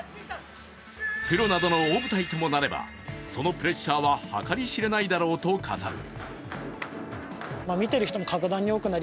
プロなどの大舞台ともなれば、そのプレッシャーは計り知れないだろうと話す。